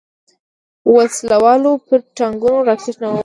وسله والو پر ټانګونو راکټ نه وواهه.